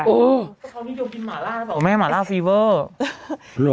เขานี่เดี๋ยวกินหมาล่าบอกว่าแม่หมาล่าฟีเวอร์